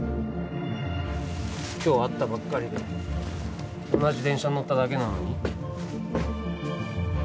今日会ったばっかりで同じ電車に乗っただけなのに？